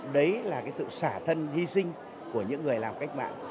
đấy là cái sự xả thân hy sinh của những người làm cách mạng